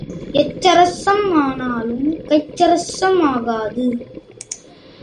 எச்சரசம் ஆனாலும் கைச்சரசம் ஆகாது.